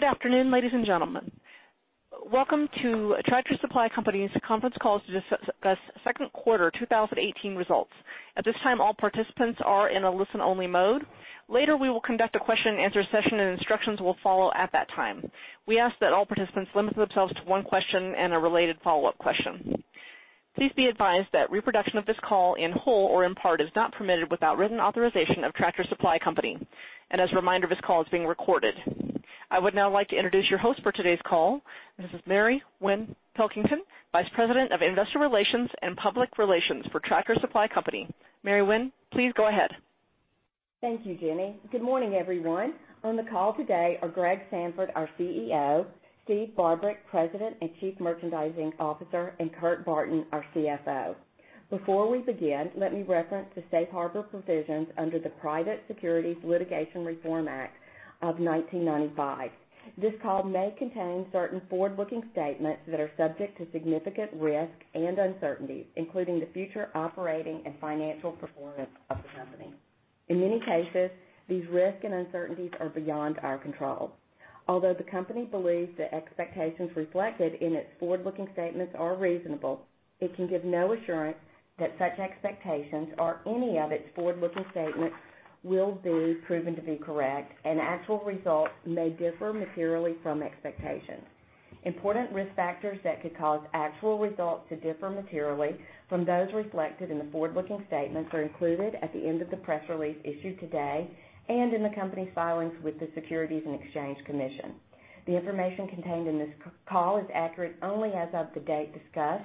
Good afternoon, ladies and gentlemen. Welcome to Tractor Supply Company's conference call to discuss Q2 2018 results. At this time, all participants are in a listen-only mode. Later, we will conduct a question and answer session, and instructions will follow at that time. We ask that all participants limit themselves to one question and a related follow-up question. Please be advised that reproduction of this call in whole or in part is not permitted without written authorization of Tractor Supply Company. As a reminder, this call is being recorded. I would now like to introduce your host for today's call. This is Mary Winn Pilkington, Vice President of Investor Relations and Public Relations for Tractor Supply Company. Mary Winn, please go ahead. Thank you, Jenny. Good morning, everyone. On the call today are Greg Sandfort, our CEO, Steve Barbarick, President and Chief Merchandising Officer, and Kurt Barton, our CFO. Before we begin, let me reference the safe harbor provisions under the Private Securities Litigation Reform Act of 1995. This call may contain certain forward-looking statements that are subject to significant risks and uncertainties, including the future operating and financial performance of the company. In many cases, these risks and uncertainties are beyond our control. Although the company believes the expectations reflected in its forward-looking statements are reasonable, it can give no assurance that such expectations or any of its forward-looking statements will be proven to be correct, and actual results may differ materially from expectations. Important risk factors that could cause actual results to differ materially from those reflected in the forward-looking statements are included at the end of the press release issued today and in the company's filings with the Securities and Exchange Commission. The information contained in this call is accurate only as of the date discussed.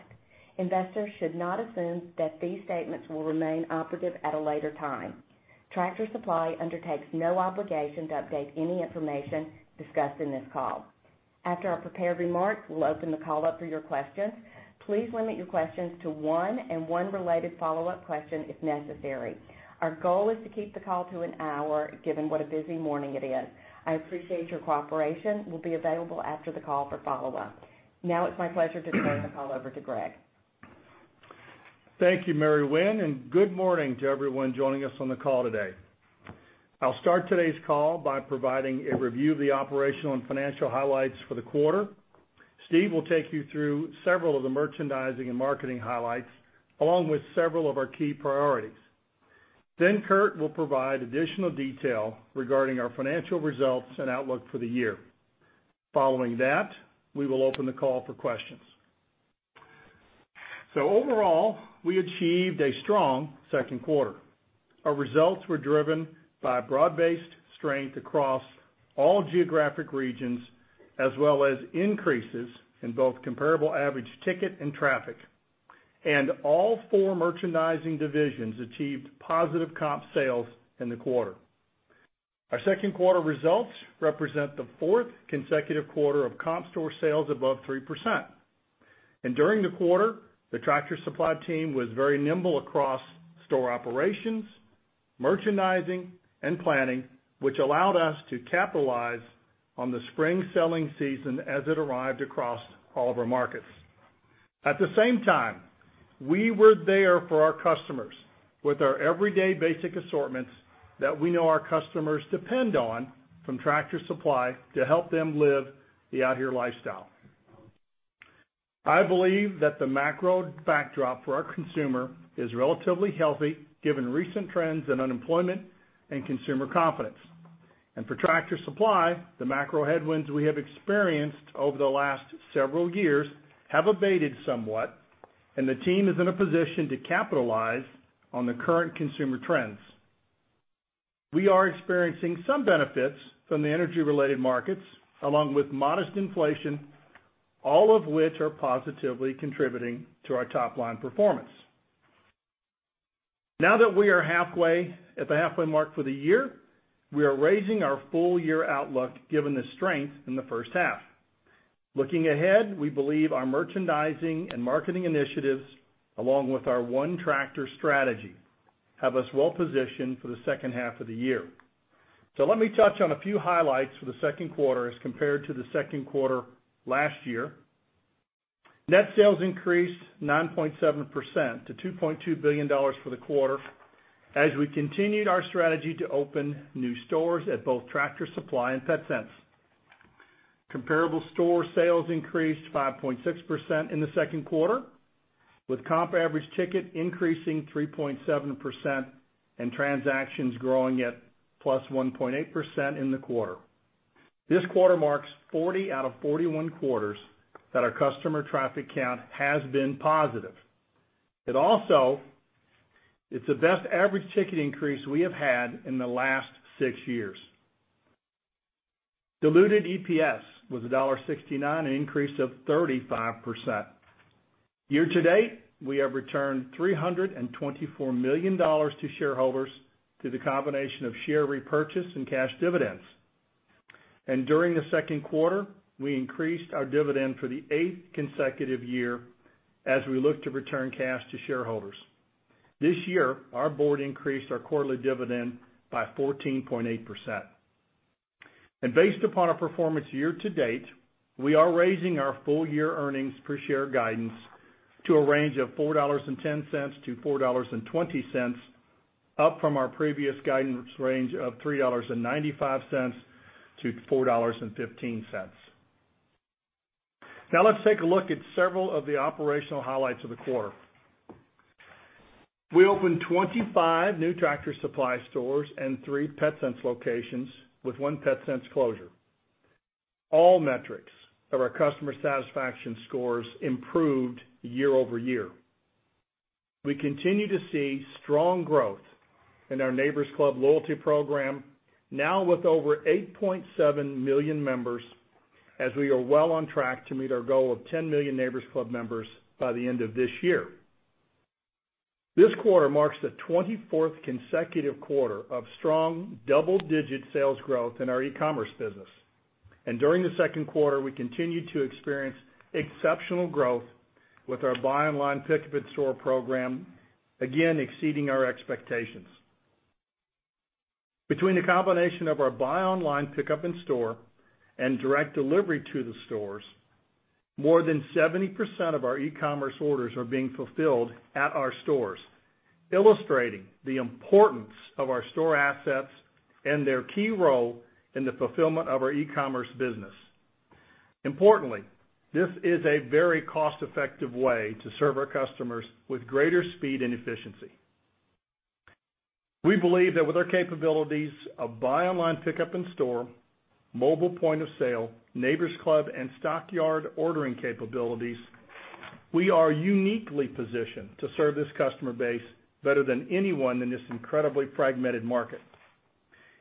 Investors should not assume that these statements will remain operative at a later time. Tractor Supply undertakes no obligation to update any information discussed in this call. After our prepared remarks, we'll open the call up for your questions. Please limit your questions to one and one related follow-up question if necessary. Our goal is to keep the call to an hour, given what a busy morning it is. I appreciate your cooperation. We'll be available after the call for follow-up. Now it's my pleasure to turn the call over to Greg. Thank you, Mary Winn, and good morning to everyone joining us on the call today. I'll start today's call by providing a review of the operational and financial highlights for the quarter. Steve will take you through several of the merchandising and marketing highlights, along with several of our key priorities. Kurt will provide additional detail regarding our financial results and outlook for the year. Following that, we will open the call for questions. Overall, we achieved a strong second quarter. Our results were driven by broad-based strength across all geographic regions, as well as increases in both comparable average ticket and traffic and all four merchandising divisions achieved positive comp sales in the quarter. Our second quarter results represent the fourth consecutive quarter of comp store sales above 3%. During the quarter, the Tractor Supply team was very nimble across store operations, merchandising, and planning, which allowed us to capitalize on the spring selling season as it arrived across all of our markets. At the same time, we were there for our customers with our everyday basic assortments that we know our customers depend on from Tractor Supply to help them live the Out Here lifestyle. I believe that the macro backdrop for our consumer is relatively healthy, given recent trends in unemployment and consumer confidence. For Tractor Supply, the macro headwinds we have experienced over the last several years have abated somewhat, and the team is in a position to capitalize on the current consumer trends. We are experiencing some benefits from the energy-related markets, along with modest inflation, all of which are positively contributing to our top-line performance. That we are at the halfway mark for the year, we are raising our full-year outlook given the strength in the first half. Looking ahead, we believe our merchandising and marketing initiatives, along with our One Tractor strategy, have us well positioned for the second half of the year. Let me touch on a few highlights for the second quarter as compared to the second quarter last year. Net sales increased 9.7% to $2.2 billion for the quarter as we continued our strategy to open new stores at both Tractor Supply and Petsense. Comparable store sales increased 5.6% in the second quarter, with comp average ticket increasing 3.7% and transactions growing at +1.8% in the quarter. This quarter marks 40 out of 41 quarters that our customer traffic count has been positive. It also is the best average ticket increase we have had in the last six years. Diluted EPS was $1.69, an increase of 35%. Year to date, we have returned $324 million to shareholders through the combination of share repurchase and cash dividends. During the second quarter, we increased our dividend for the eighth consecutive year as we look to return cash to shareholders. This year, our board increased our quarterly dividend by 14.8%. Based upon our performance year to date, we are raising our full-year earnings per share guidance to a range of $4.10-$4.20 Up from our previous guidance range of $3.95-$4.15. Let's take a look at several of the operational highlights of the quarter. We opened 25 new Tractor Supply stores and three Petsense locations, with one Petsense closure. All metrics of our customer satisfaction scores improved year-over-year. We continue to see strong growth in our Neighbor's Club loyalty program, now with over 8.7 million members, as we are well on track to meet our goal of 10 million Neighbor's Club members by the end of this year. This quarter marks the 24th consecutive quarter of strong, double-digit sales growth in our e-commerce business. During the second quarter, we continued to experience exceptional growth with our buy online pickup in-store program, again exceeding our expectations. Between the combination of our buy online pickup in-store and direct delivery to the stores, more than 70% of our e-commerce orders are being fulfilled at our stores, illustrating the importance of our store assets and their key role in the fulfillment of our e-commerce business. Importantly, this is a very cost-effective way to serve our customers with greater speed and efficiency. We believe that with our capabilities of buy online pickup in-store, mobile point-of-sale, Neighbor's Club, and Stockyard ordering capabilities, we are uniquely positioned to serve this customer base better than anyone in this incredibly fragmented market.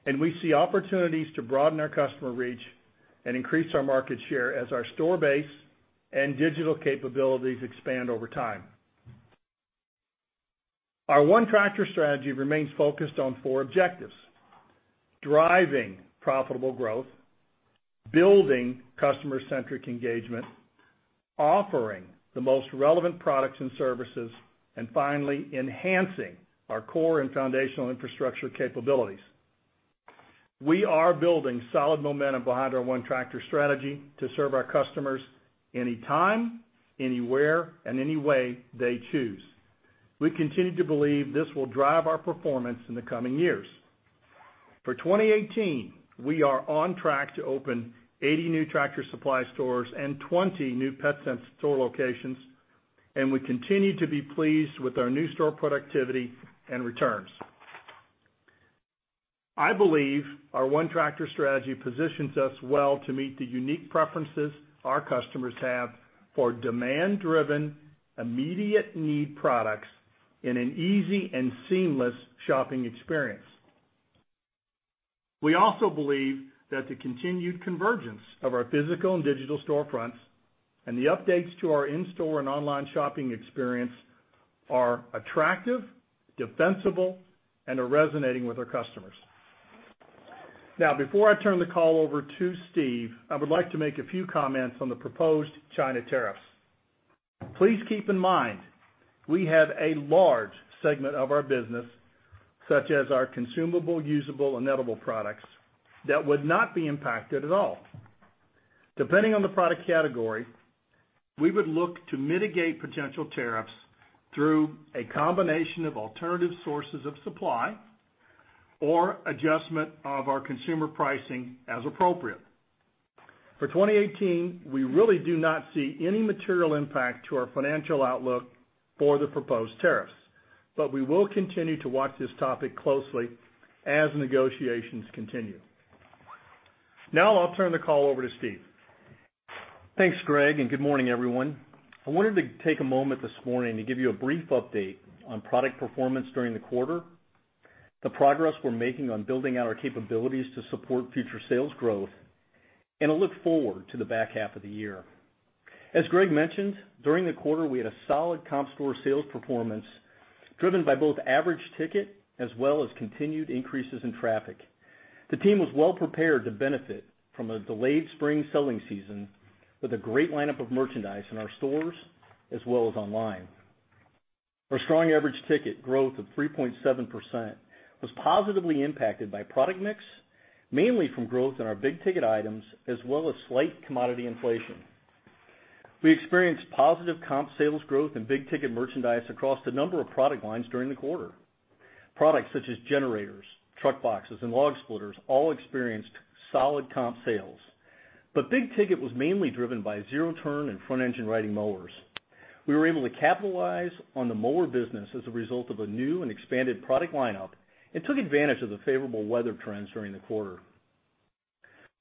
We see opportunities to broaden our customer reach and increase our market share as our store base and digital capabilities expand over time. Our One Tractor strategy remains focused on four objectives: driving profitable growth, building customer-centric engagement, offering the most relevant products and services, and finally, enhancing our core and foundational infrastructure capabilities. We are building solid momentum behind our One Tractor strategy to serve our customers anytime, anywhere, and any way they choose. We continue to believe this will drive our performance in the coming years. For 2018, we are on track to open 80 new Tractor Supply stores and 20 new Petsense store locations, and we continue to be pleased with our new store productivity and returns. I believe our One Tractor strategy positions us well to meet the unique preferences our customers have for demand-driven, immediate-need products in an easy and seamless shopping experience. We also believe that the continued convergence of our physical and digital storefronts and the updates to our in-store and online shopping experience are attractive, defensible, and are resonating with our customers. Now, before I turn the call over to Steve, I would like to make a few comments on the proposed China tariffs. Please keep in mind, we have a large segment of our business, such as our consumable, usable, and edible products, that would not be impacted at all. Depending on the product category, we would look to mitigate potential tariffs through a combination of alternative sources of supply or adjustment of our consumer pricing as appropriate. For 2018, we really do not see any material impact to our financial outlook for the proposed tariffs. We will continue to watch this topic closely as negotiations continue. Now, I'll turn the call over to Steve. Thanks, Greg, and good morning, everyone. I wanted to take a moment this morning to give you a brief update on product performance during the quarter, the progress we're making on building out our capabilities to support future sales growth, and a look forward to the back half of the year. As Greg mentioned, during the quarter, we had a solid comp store sales performance driven by both average ticket as well as continued increases in traffic. The team was well prepared to benefit from a delayed spring selling season with a great lineup of merchandise in our stores, as well as online. Our strong average ticket growth of 3.7% was positively impacted by product mix, mainly from growth in our big-ticket items as well as slight commodity inflation. We experienced positive comp sales growth in big-ticket merchandise across the number of product lines during the quarter. Products such as generators, truck boxes, and log splitters all experienced solid comp sales. Big ticket was mainly driven by zero-turn and front engine riding mowers. We were able to capitalize on the mower business as a result of a new and expanded product lineup and took advantage of the favorable weather trends during the quarter.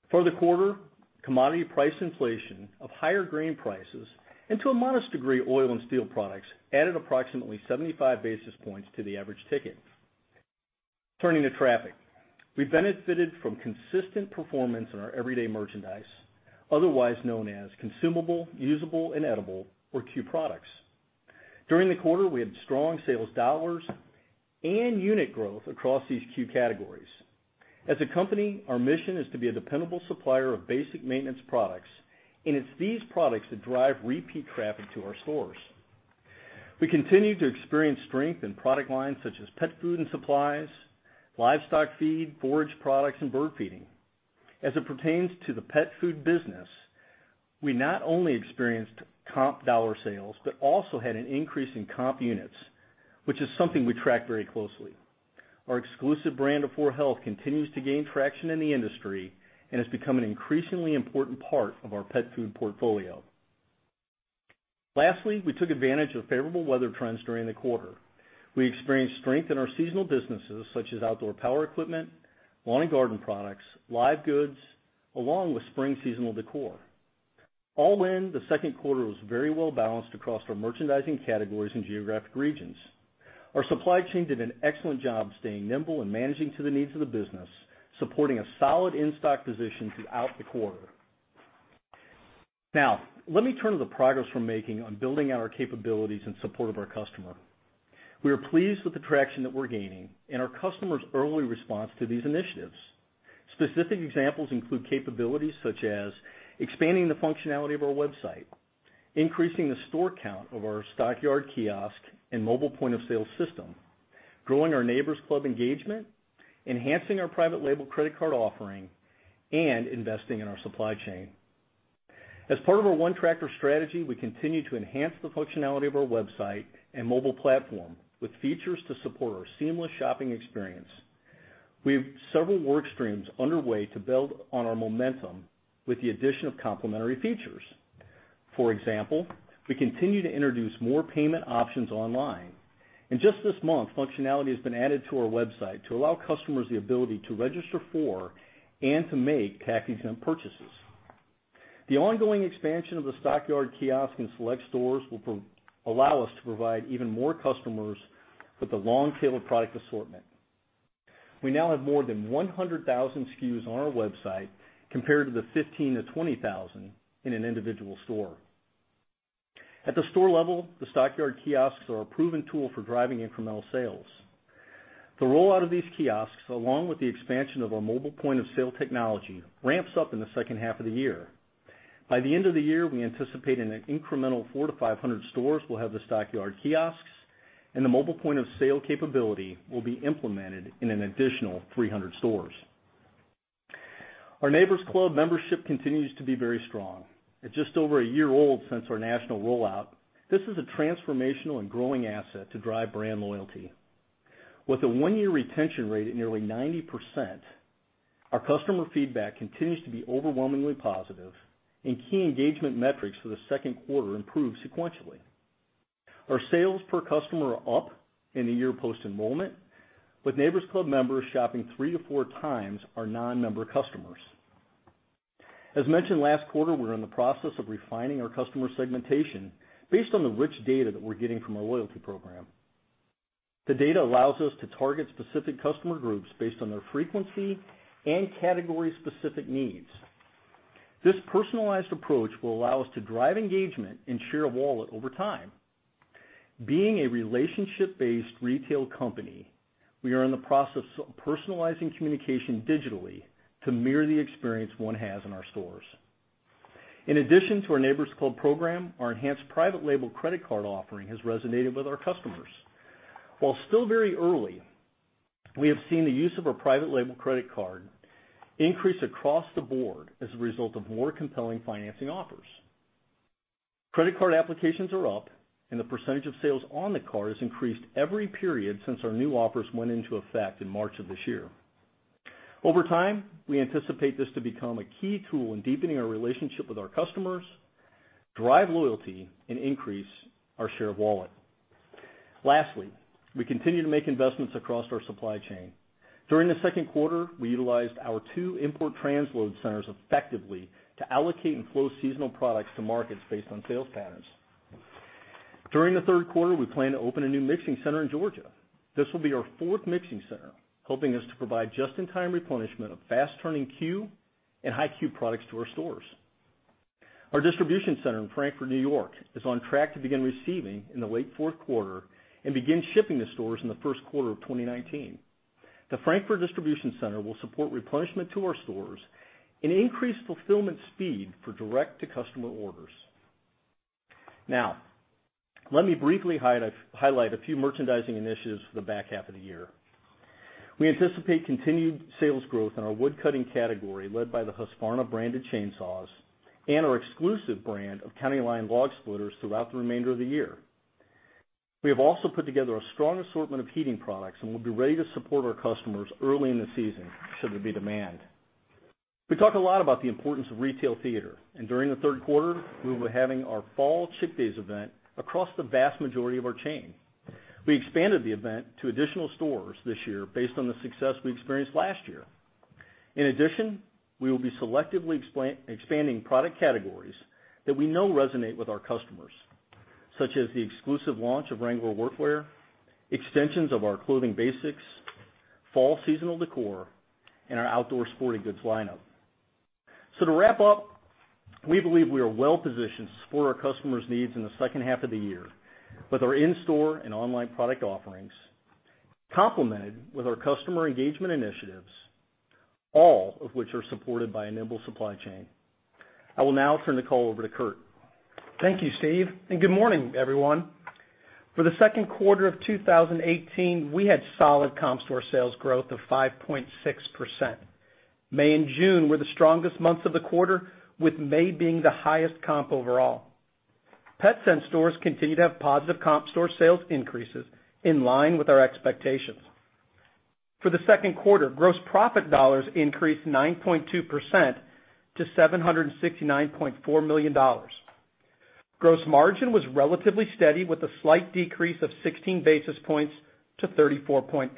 For the quarter, commodity price inflation of higher grain prices, and to a modest degree, oil and steel products, added approximately 75 basis points to the average ticket. Turning to traffic. We benefited from consistent performance in our everyday merchandise, otherwise known as consumable, usable, and edible, or CUE products. During the quarter, we had strong sales dollars and unit growth across these CUE categories. As a company, our mission is to be a dependable supplier of basic maintenance products, and it's these products that drive repeat traffic to our stores. We continue to experience strength in product lines such as pet food and supplies, livestock feed, forage products, and bird feeding. As it pertains to the pet food business, we not only experienced comp dollar sales, but also had an increase in comp units, which is something we track very closely. Our exclusive brand of 4health continues to gain traction in the industry and has become an increasingly important part of our pet food portfolio. Lastly, we took advantage of favorable weather trends during the quarter. We experienced strength in our seasonal businesses such as outdoor power equipment, lawn and garden products, live goods, along with spring seasonal decor. All in, the second quarter was very well-balanced across our merchandising categories and geographic regions. Our supply chain did an excellent job staying nimble and managing to the needs of the business, supporting a solid in-stock position throughout the quarter. Now, let me turn to the progress we're making on building out our capabilities in support of our customer. We are pleased with the traction that we're gaining and our customers' early response to these initiatives. Specific examples include capabilities such as expanding the functionality of our website, increasing the store count of our Stockyard kiosk and mobile point-of-sale system, growing our Neighbor's Club engagement, enhancing our private label credit card offering, and investing in our supply chain. As part of our One Tractor strategy, we continue to enhance the functionality of our website and mobile platform with features to support our seamless shopping experience. We have several work streams underway to build on our momentum with the addition of complementary features. For example, we continue to introduce more payment options online. Just this month, functionality has been added to our website to allow customers the ability to register for and to make package and purchases. The ongoing expansion of the Stockyard kiosk in select stores will allow us to provide even more customers with a long tail of product assortment. We now have more than 100,000 SKUs on our website, compared to the 15,000 to 20,000 in an individual store. At the store level, the Stockyard kiosks are a proven tool for driving incremental sales. The rollout of these kiosks, along with the expansion of our mobile point-of-sale technology, ramps up in the second half of the year. By the end of the year, we anticipate an incremental 400 to 500 stores will have the Stockyard kiosks, and the mobile point-of-sale capability will be implemented in an additional 300 stores. Our Neighbor's Club membership continues to be very strong. At just over a year old since our national rollout, this is a transformational and growing asset to drive brand loyalty. With a one-year retention rate at nearly 90%, our customer feedback continues to be overwhelmingly positive, and key engagement metrics for the second quarter improved sequentially. Our sales per customer are up in the year post-enrollment, with Neighbor's Club members shopping three to four times our non-member customers. As mentioned last quarter, we're in the process of refining our customer segmentation based on the rich data that we're getting from our loyalty program. The data allows us to target specific customer groups based on their frequency and category-specific needs. This personalized approach will allow us to drive engagement and share of wallet over time. Being a relationship-based retail company, we are in the process of personalizing communication digitally to mirror the experience one has in our stores. In addition to our Neighbor's Club program, our enhanced private label credit card offering has resonated with our customers. While still very early, we have seen the use of our private label credit card increase across the board as a result of more compelling financing offers. Credit card applications are up, and the percentage of sales on the card has increased every period since our new offers went into effect in March of this year. Over time, we anticipate this to become a key tool in deepening our relationship with our customers, drive loyalty, and increase our share of wallet. Lastly, we continue to make investments across our supply chain. During the second quarter, we utilized our two import transload centers effectively to allocate and flow seasonal products to markets based on sales patterns. During the third quarter, we plan to open a new mixing center in Georgia. This will be our fourth mixing center, helping us to provide just-in-time replenishment of fast-turning CUE and high-CUE products to our stores. Our distribution center in Frankfort, New York, is on track to begin receiving in the late fourth quarter and begin shipping to stores in the first quarter of 2019. The Frankfort distribution center will support replenishment to our stores and increase fulfillment speed for direct-to-customer orders. Let me briefly highlight a few merchandising initiatives for the back half of the year. We anticipate continued sales growth in our wood cutting category, led by the Husqvarna brand of chainsaws and our exclusive brand of CountyLine log splitters throughout the remainder of the year. We have also put together a strong assortment of heating products, and we'll be ready to support our customers early in the season should there be demand. We talk a lot about the importance of retail theater. During the third quarter, we will be having our fall Chick Days event across the vast majority of our chain. We expanded the event to additional stores this year based on the success we experienced last year. In addition, we will be selectively expanding product categories that we know resonate with our customers, such as the exclusive launch of Wrangler workwear, extensions of our clothing basics, fall seasonal decor, and our outdoor sporting goods lineup. To wrap up, we believe we are well positioned to support our customers' needs in the second half of the year with our in-store and online product offerings, complemented with our customer engagement initiatives, all of which are supported by a nimble supply chain. I will now turn the call over to Kurt. Thank you, Steve, and good morning, everyone. For the second quarter of 2018, we had solid comp store sales growth of 5.6%. May and June were the strongest months of the quarter, with May being the highest comp overall. Petsense stores continue to have positive comp store sales increases in line with our expectations. For the second quarter, gross profit dollars increased 9.2% to $769.4 million. Gross margin was relatively steady with a slight decrease of 16 basis points to 34.8%.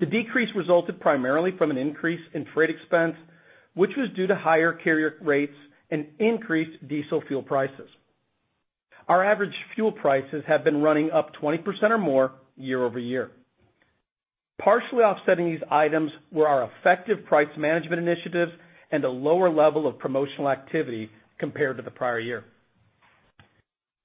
The decrease resulted primarily from an increase in freight expense, which was due to higher carrier rates and increased diesel fuel prices. Our average fuel prices have been running up 20% or more year-over-year. Partially offsetting these items were our effective price management initiatives and a lower level of promotional activity compared to the prior year.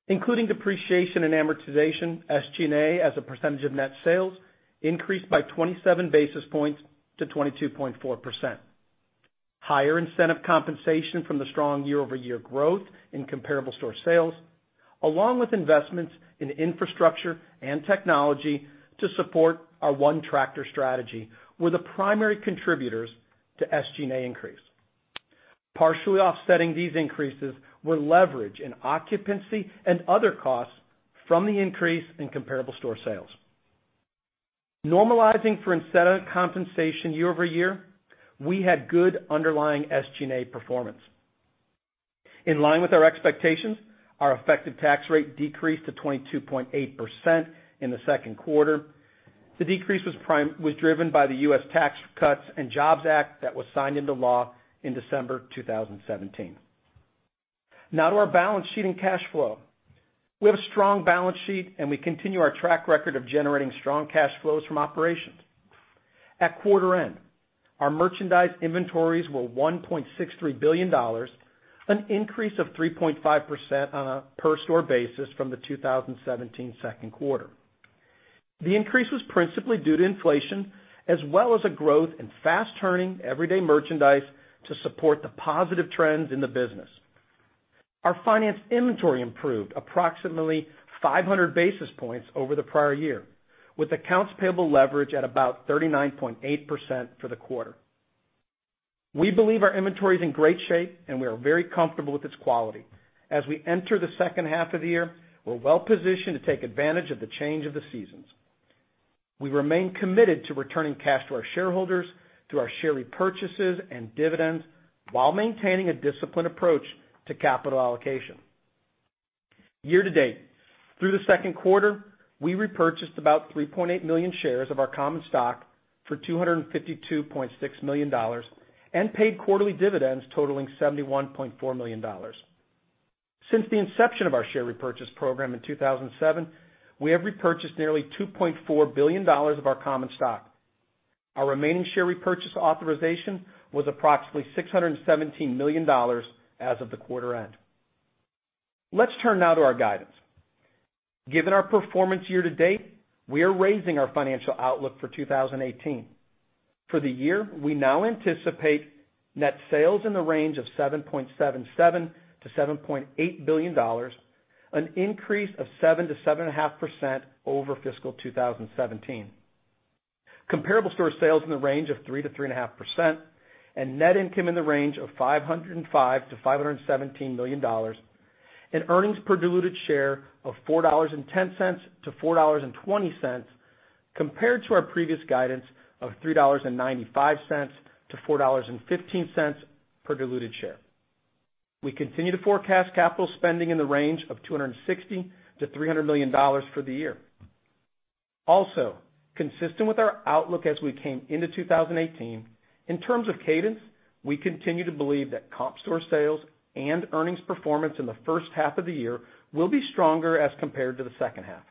Including depreciation and amortization, SG&A as a percentage of net sales increased by 27 basis points to 22.4%. Higher incentive compensation from the strong year-over-year growth in comparable store sales, along with investments in infrastructure and technology to support our One Tractor strategy were the primary contributors to SG&A increase. Partially offsetting these increases were leverage in occupancy and other costs from the increase in comparable store sales. Normalizing for incentive compensation year-over-year, we had good underlying SG&A performance. In line with our expectations, our effective tax rate decreased to 22.8% in the second quarter. The decrease was driven by the U.S. Tax Cuts and Jobs Act that was signed into law in December 2017. Now to our balance sheet and cash flow. We have a strong balance sheet, and we continue our track record of generating strong cash flows from operations. At quarter end, our merchandise inventories were $1.63 billion, an increase of 3.5% on a per store basis from the 2017 second quarter. The increase was principally due to inflation, as well as a growth in fast turning everyday merchandise to support the positive trends in the business. Our finance inventory improved approximately 500 basis points over the prior year, with accounts payable leverage at about 39.8% for the quarter. We believe our inventory is in great shape, and we are very comfortable with its quality. As we enter the second half of the year, we're well positioned to take advantage of the change of the seasons. We remain committed to returning cash to our shareholders through our share repurchases and dividends while maintaining a disciplined approach to capital allocation. Year-to-date, through the second quarter, we repurchased about 3.8 million shares of our common stock for $252.6 million and paid quarterly dividends totaling $71.4 million. Since the inception of our share repurchase program in 2007, we have repurchased nearly $2.4 billion of our common stock. Our remaining share repurchase authorization was approximately $617 million as of the quarter end. Let's turn now to our guidance. Given our performance year-to-date, we are raising our financial outlook for 2018. For the year, we now anticipate net sales in the range of $7.77 billion-$7.8 billion, an increase of 7%-7.5% over fiscal 2017. Comparable store sales in the range of 3%-3.5%, and net income in the range of $505 million-$517 million, and earnings per diluted share of $4.10-$4.20, compared to our previous guidance of $3.95-$4.15 per diluted share. We continue to forecast capital spending in the range of $260 million to $300 million for the year. Also, consistent with our outlook as we came into 2018, in terms of cadence, we continue to believe that comp store sales and earnings performance in the first half of the year will be stronger as compared to the second half.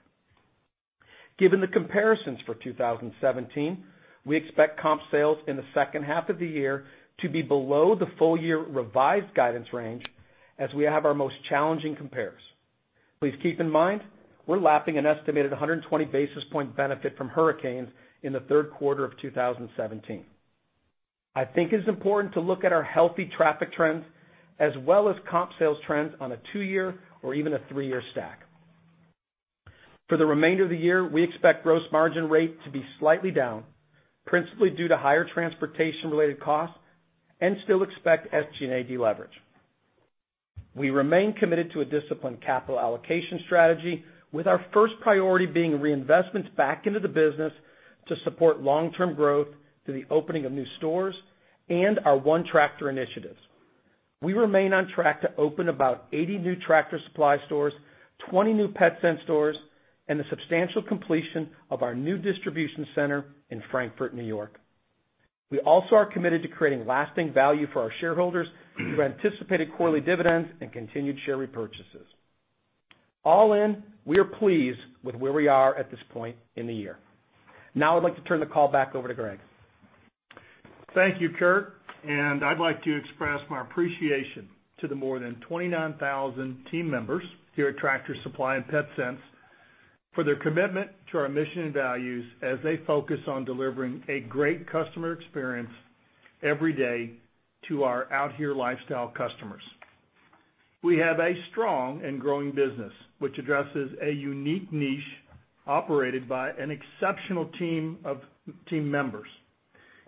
Given the comparisons for 2017, we expect comp sales in the second half of the year to be below the full year revised guidance range as we have our most challenging compares. Please keep in mind, we're lapping an estimated 120 basis point benefit from hurricanes in the third quarter of 2017. I think it's important to look at our healthy traffic trends as well as comp sales trends on a two-year or even a three-year stack. For the remainder of the year, we expect gross margin rate to be slightly down, principally due to higher transportation-related costs and still expect SG&A deleverage. We remain committed to a disciplined capital allocation strategy with our first priority being reinvestments back into the business to support long-term growth through the opening of new stores and our One Tractor initiatives. We remain on track to open about 80 new Tractor Supply stores, 20 new Petsense stores, and the substantial completion of our new distribution center in Frankfort, N.Y. We also are committed to creating lasting value for our shareholders through anticipated quarterly dividends and continued share repurchases. All in, we are pleased with where we are at this point in the year. I'd like to turn the call back over to Greg. Thank you, Kurt. I'd like to express my appreciation to the more than 29,000 team members here at Tractor Supply and Petsense for their commitment to our mission and values as they focus on delivering a great customer experience every day to our Out Here lifestyle customers. We have a strong and growing business which addresses a unique niche operated by an exceptional team of team members.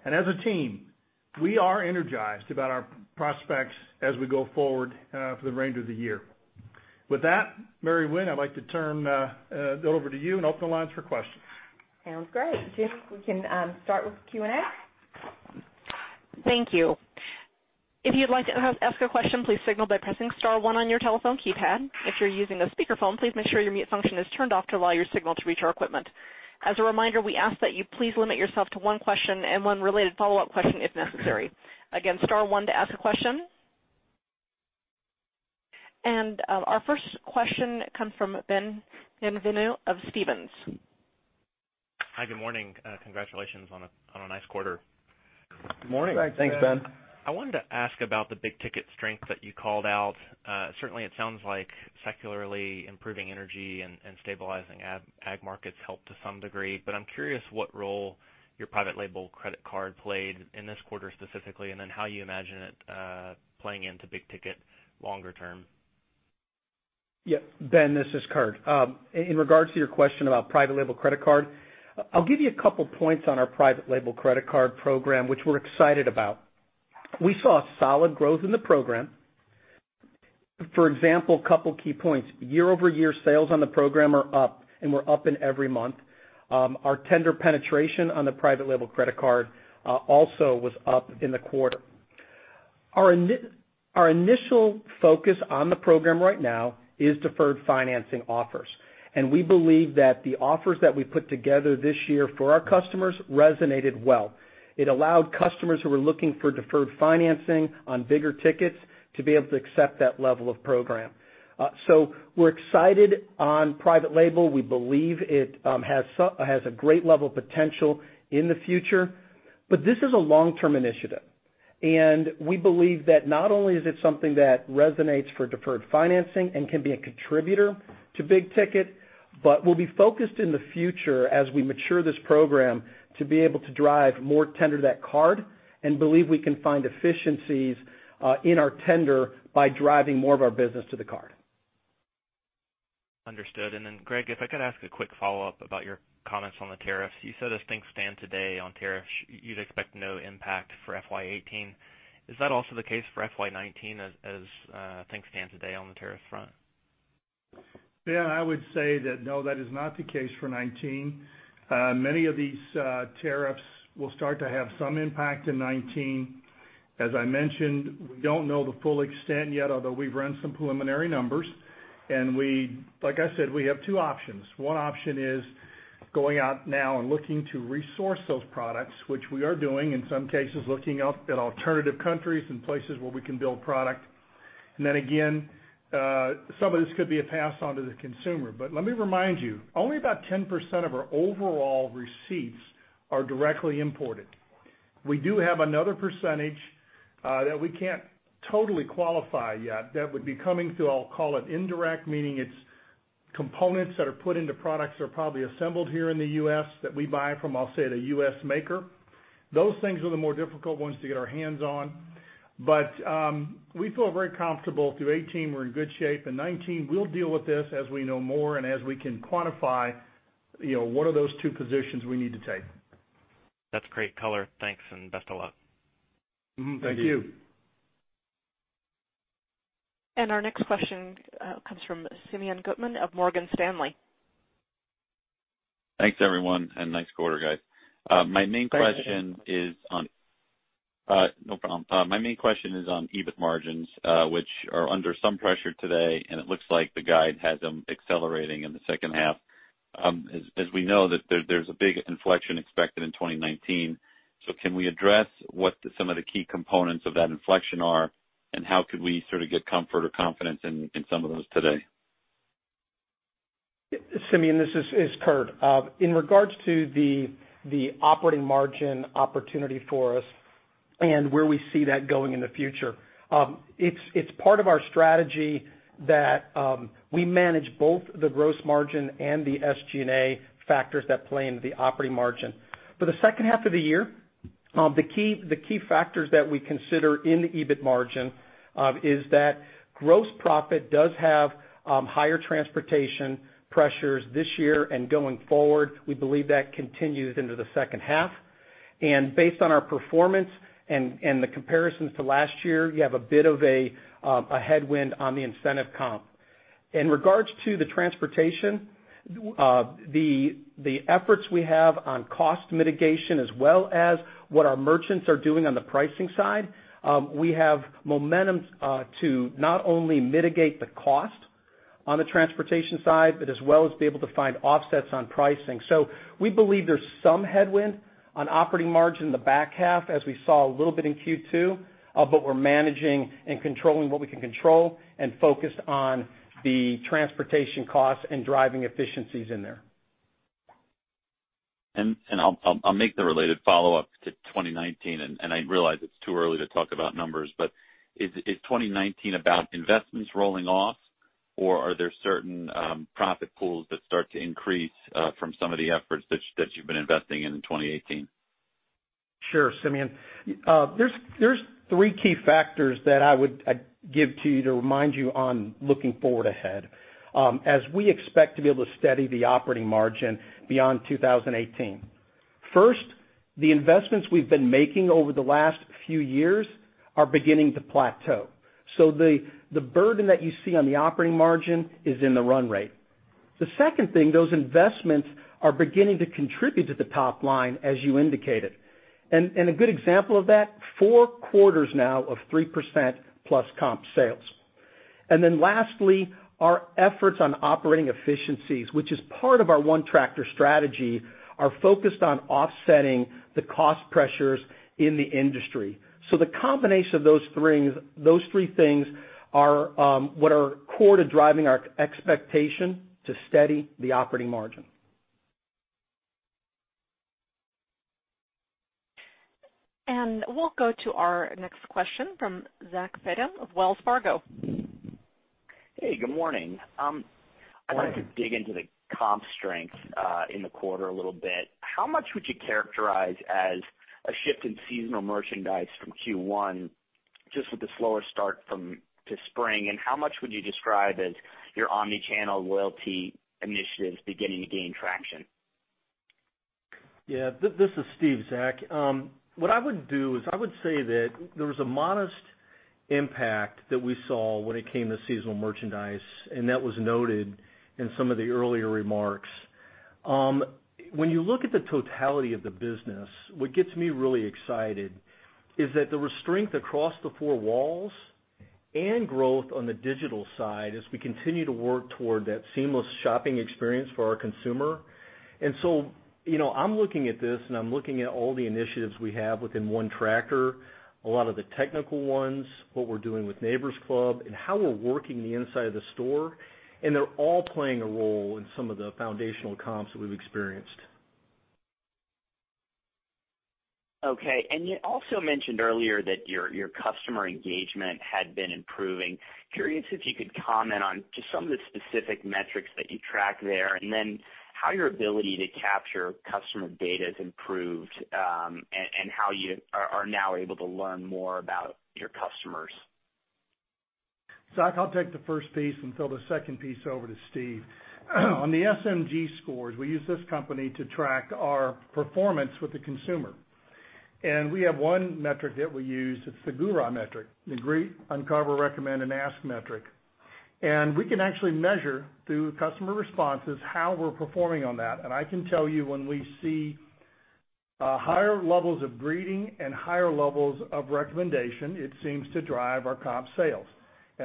As a team, we are energized about our prospects as we go forward for the remainder of the year. With that, Mary Winn, I'd like to turn it over to you and open the lines for questions. Sounds great. Jim, we can start with Q&A. Thank you. If you'd like to ask a question, please signal by pressing star one on your telephone keypad. If you're using a speakerphone, please make sure your mute function is turned off to allow your signal to reach our equipment. As a reminder, we ask that you please limit yourself to one question and one related follow-up question, if necessary. Again, star one to ask a question. Our first question comes from Ben Bienvenu of Stephens. Hi. Good morning. Congratulations on a nice quarter. Good morning. Thanks. Thanks, Ben. I wanted to ask about the big ticket strength that you called out. Certainly, it sounds like secularly improving energy and stabilizing ag markets helped to some degree, but I'm curious what role your private label credit card played in this quarter specifically, and then how you imagine it playing into big ticket longer term. Ben, this is Kurt. In regards to your question about private label credit card, I'll give you a couple points on our private label credit card program, which we're excited about. We saw solid growth in the program. For example, couple key points. Year-over-year sales on the program are up, and we're up in every month. Our tender penetration on the private label credit card also was up in the quarter. Our initial focus on the program right now is deferred financing offers, and we believe that the offers that we put together this year for our customers resonated well. It allowed customers who were looking for deferred financing on bigger tickets to be able to accept that level of program. We're excited on private label. We believe it has a great level of potential in the future, but this is a long-term initiative, and we believe that not only is it something that resonates for deferred financing and can be a contributor to big ticket, but we'll be focused in the future as we mature this program to be able to drive more tender to that card and believe we can find efficiencies in our tender by driving more of our business to the card. Understood. Greg, if I could ask a quick follow-up about your comments on the tariffs. You said as things stand today on tariffs, you'd expect no impact for FY 2018. Is that also the case for FY 2019 as things stand today on the tariff front? Ben, I would say that, no, that is not the case for 2019. Many of these tariffs will start to have some impact in 2019. As I mentioned, we don't know the full extent yet, although we've run some preliminary numbers, and like I said, we have two options. One option is going out now and looking to resource those products, which we are doing in some cases, looking at alternative countries and places where we can build product. Again, some of this could be a pass on to the consumer. Let me remind you, only about 10% of our overall receipts are directly imported. We do have another percentage, that we can't totally qualify yet that would be coming through, I'll call it indirect, meaning it's components that are put into products that are probably assembled here in the U.S. that we buy from, I'll say, the U.S. maker. Those things are the more difficult ones to get our hands on. We feel very comfortable through 2018 we're in good shape. In 2019, we'll deal with this as we know more and as we can quantify, what are those two positions we need to take. That's great color. Thanks, best of luck. Thank you. Our next question comes from Simeon Gutman of Morgan Stanley. Thanks, everyone. Nice quarter, guys. Thanks. No problem. My main question is on EBIT margins, which are under some pressure today. It looks like the guide has them accelerating in the second half. As we know, there's a big inflection expected in 2019. Can we address what some of the key components of that inflection are, how could we sort of get comfort or confidence in some of those today? Simeon, this is Kurt. In regards to the operating margin opportunity for us and where we see that going in the future, it's part of our strategy that we manage both the gross margin and the SG&A factors that play into the operating margin. For the second half of the year, the key factors that we consider in the EBIT margin, is that gross profit does have higher transportation pressures this year and going forward. We believe that continues into the second half. Based on our performance and the comparisons to last year, you have a bit of a headwind on the incentive comp. In regards to the transportation, the efforts we have on cost mitigation as well as what our merchants are doing on the pricing side, we have momentum to not only mitigate the cost on the transportation side, but as well as be able to find offsets on pricing. We believe there's some headwind on operating margin in the back half as we saw a little bit in Q2. We're managing and controlling what we can control and focused on the transportation costs and driving efficiencies in there. I'll make the related follow-up to 2019, and I realize it's too early to talk about numbers, but is 2019 about investments rolling off, or are there certain profit pools that start to increase from some of the efforts that you've been investing in in 2018? Sure, Simeon. There's three key factors that I would give to you to remind you on looking forward ahead as we expect to be able to steady the operating margin beyond 2018. First, the investments we've been making over the last few years are beginning to plateau. The burden that you see on the operating margin is in the run rate. The second thing, those investments are beginning to contribute to the top line, as you indicated. A good example of that, four quarters now of 3% plus comp sales. Lastly, our efforts on operating efficiencies, which is part of our One Tractor strategy, are focused on offsetting the cost pressures in the industry. The combination of those three things are what are core to driving our expectation to steady the operating margin. We'll go to our next question from Zachary Fadem of Wells Fargo. Hey, good morning. Hi. I wanted to dig into the comp strength in the quarter a little bit. How much would you characterize as a shift in seasonal merchandise from Q1, just with the slower start to spring, and how much would you describe as your omni-channel loyalty initiatives beginning to gain traction? Yeah. This is Steve, Zach. What I would do is I would say that there was a modest impact that we saw when it came to seasonal merchandise, and that was noted in some of the earlier remarks. When you look at the totality of the business, what gets me really excited is that there was strength across the four walls and growth on the digital side as we continue to work toward that seamless shopping experience for our consumer. I'm looking at this, and I'm looking at all the initiatives we have within One Tractor, a lot of the technical ones, what we're doing with Neighbor's Club, and how we're working the inside of the store, and they're all playing a role in some of the foundational comps that we've experienced. Okay. You also mentioned earlier that your customer engagement had been improving. Curious if you could comment on just some of the specific metrics that you track there, and then how your ability to capture customer data has improved and how you are now able to learn more about your customers. Zach, I'll take the first piece and throw the second piece over to Steve. On the SMG scores, we use this company to track our performance with the consumer. We have one metric that we use, it's the GURA metric, the Greet, Uncover, Recommend, and Ask metric. I can actually measure, through customer responses, how we're performing on that. I can tell you when we see higher levels of greeting and higher levels of recommendation, it seems to drive our comp sales.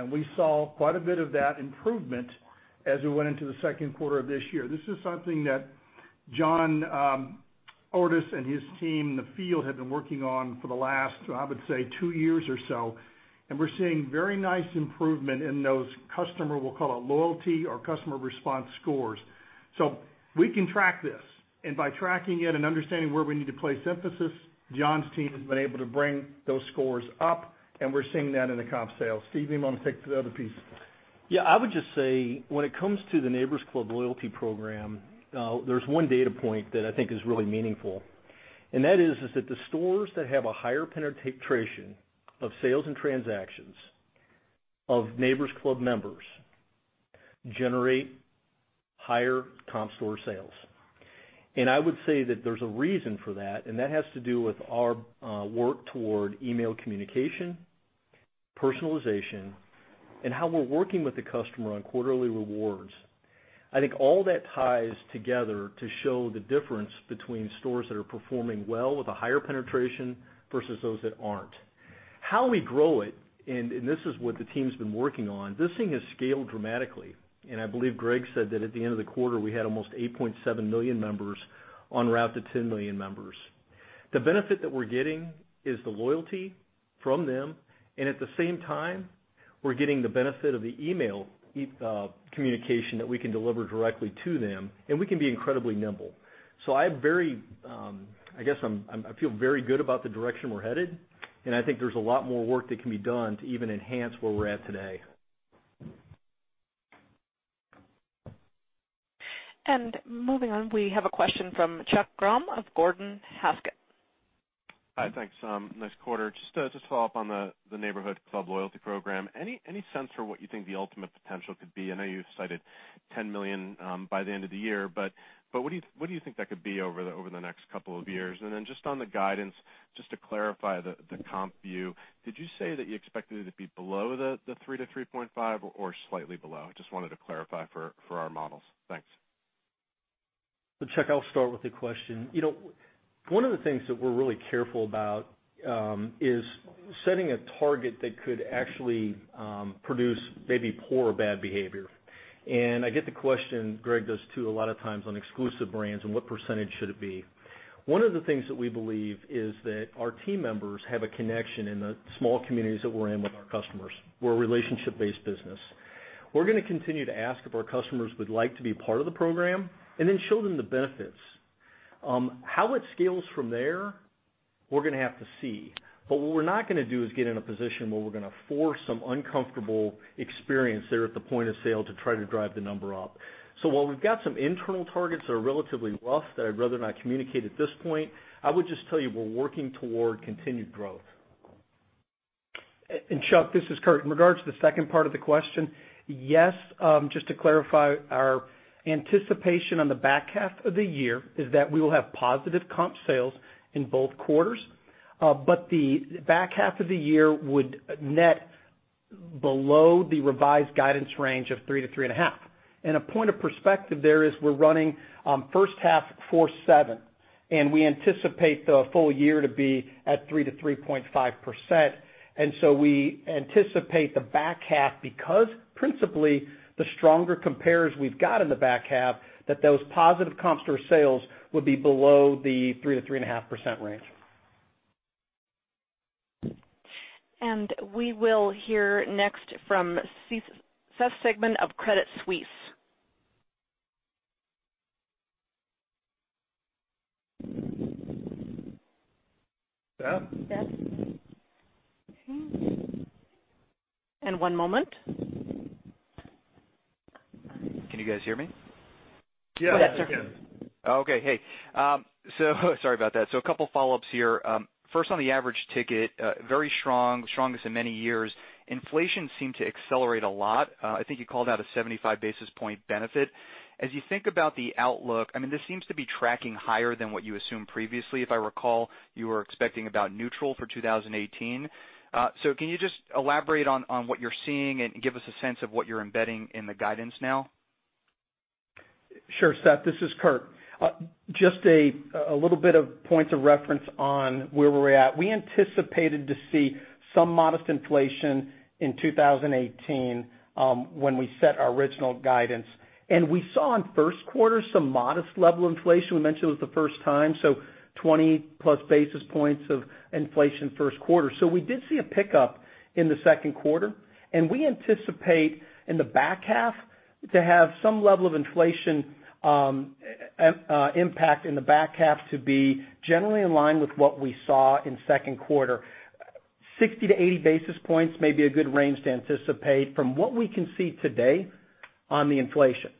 We saw quite a bit of that improvement as we went into the second quarter of this year. This is something that John Ordus and his team in the field have been working on for the last, I would say, two years or so, and we're seeing very nice improvement in those customer, we'll call it loyalty or customer response scores. We can track this, and by tracking it and understanding where we need to place emphasis, John's team has been able to bring those scores up, and we're seeing that in the comp sales. Steve, you want to take the other piece? I would just say when it comes to the Neighbor's Club loyalty program, there's one data point that I think is really meaningful, and that is that the stores that have a higher penetration of sales and transactions of Neighbor's Club members generate higher comp store sales. I would say that there's a reason for that, and that has to do with our work toward email communication, personalization, and how we're working with the customer on quarterly rewards. I think all that ties together to show the difference between stores that are performing well with a higher penetration versus those that aren't. How we grow it. This is what the team's been working on. This thing has scaled dramatically, and I believe Greg said that at the end of the quarter, we had almost 8.7 million members on route to 10 million members. The benefit that we're getting is the loyalty from them, and at the same time, we're getting the benefit of the email communication that we can deliver directly to them, and we can be incredibly nimble. I feel very good about the direction we're headed, and I think there's a lot more work that can be done to even enhance where we're at today. Moving on, we have a question from Chuck Grom of Gordon Haskett. Hi, thanks. Nice quarter. Just to follow up on the Neighbor's Club loyalty program, any sense for what you think the ultimate potential could be? I know you've cited 10 million by the end of the year, what do you think that could be over the next couple of years? Just on the guidance, just to clarify the comp view, did you say that you expected it to be below the 3%-3.5% or slightly below? I just wanted to clarify for our models. Thanks. Chuck, I'll start with the question. One of the things that we're really careful about is setting a target that could actually produce maybe poor or bad behavior. I get the question, Greg does too, a lot of times on exclusive brands and what percentage should it be. One of the things that we believe is that our team members have a connection in the small communities that we're in with our customers. We're a relationship-based business. We're going to continue to ask if our customers would like to be a part of the program and then show them the benefits. How it scales from there, we're going to have to see. What we're not going to do is get in a position where we're going to force some uncomfortable experience there at the point of sale to try to drive the number up. While we've got some internal targets that are relatively rough that I'd rather not communicate at this point, I would just tell you we're working toward continued growth. Chuck, this is Kurt. In regards to the second part of the question, yes. Just to clarify, our anticipation on the back half of the year is that we will have positive comp sales in both quarters. The back half of the year would net below the revised guidance range of 3%-3.5%. A point of perspective there is we're running first half 4.7%, and we anticipate the full year to be at 3% to 3.5%. We anticipate the back half, because principally, the stronger compares we've got in the back half, that those positive comp store sales would be below the 3% to 3.5% range. We will hear next from Seth Sigman of Credit Suisse. Seth? Seth? One moment. Can you guys hear me? Yes. Go ahead, sir. Okay. Hey. Sorry about that. A couple of follow-ups here. First on the average ticket, very strong, strongest in many years. Inflation seemed to accelerate a lot. I think you called out a 75 basis point benefit. As you think about the outlook, this seems to be tracking higher than what you assumed previously. If I recall, you were expecting about neutral for 2018. Can you just elaborate on what you're seeing and give us a sense of what you're embedding in the guidance now? Sure, Seth, this is Kurt. Just a little bit of points of reference on where we're at. We anticipated to see some modest inflation in 2018 when we set our original guidance. We saw in first quarter some modest level inflation. We mentioned it was the first time, 20-plus basis points of inflation first quarter. We did see a pickup in the second quarter, and we anticipate in the back half to have some level of inflation impact in the back half to be generally in line with what we saw in second quarter. 60 to 80 basis points may be a good range to anticipate from what we can see today on the inflation.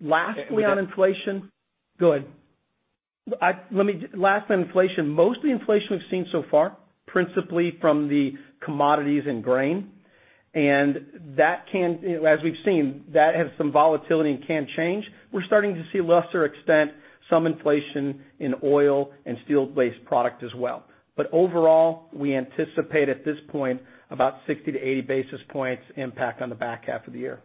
Lastly, on inflation. Go ahead. Last on inflation. Most of the inflation we've seen so far, principally from the commodities and grain, and as we've seen, that has some volatility and can change. We're starting to see lesser extent some inflation in oil and steel-based product as well. Overall, we anticipate at this point about 60 to 80 basis points impact on the back half of the year.